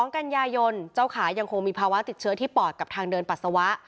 ๒กันยายนเจ้าขายังคงมีภาวะติดเชื้อที่ปอดกับทางเดินปัสสาวะ